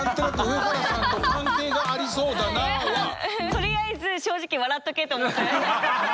とりあえず正直笑っとけと思って。